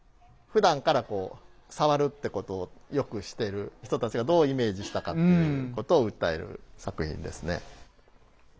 ふだんからさわるってことをよくしてる人たちがどうイメージしたかっていうことを訴える作品ですね。